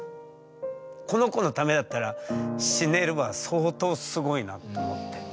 「この子のためだったら死ねる」は相当すごいなと思って。